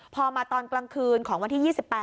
พอมาตอนกลางคืนของวันที่๒๘